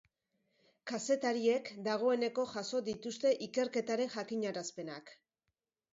Kazetariek dagoeneko jaso dituzte ikerketaren jakinarazpenak.